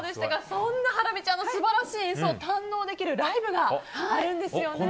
そんなハラミちゃんの素晴らしい演奏を堪能できるライブがあるんですよね。